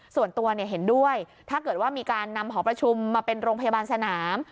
ส่วนตัวเห็นด้วยถ้าเกิดว่ามีการนำหอประชุมมาเป็นโรงพยาบาลสนาม